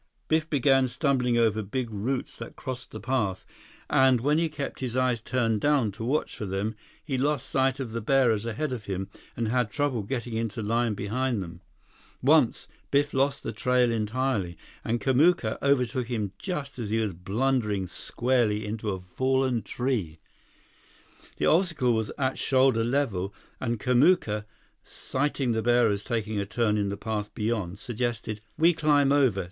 Biff began stumbling over big roots that crossed the path, and when he kept his eyes turned down to watch for them, he lost sight of the bearers ahead of him and had trouble getting into line behind them. Once, Biff lost the trail entirely, and Kamuka overtook him just as he was blundering squarely into a fallen tree. The obstacle was at shoulder level, and Kamuka, sighting the bearers taking a turn in the path beyond, suggested: "We climb over.